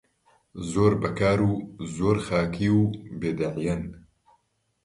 زۆر بەکار و زۆر خاکی و بێدەعیەن